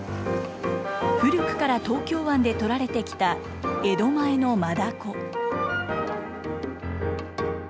古くから東京湾で取られてきた江戸前のマダコ。